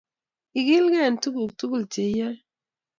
Ikilgei eng' tuguk tugul che iyoe.